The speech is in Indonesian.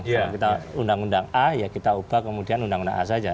kalau kita undang undang a ya kita ubah kemudian undang undang a saja